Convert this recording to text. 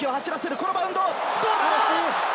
このバウンド、どうだ？